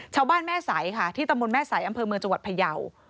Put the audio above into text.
ชาวบ้านแม่สัยค่ะที่ตำรวจแม่สัยอำเภอเมืองจังหวัดพยาว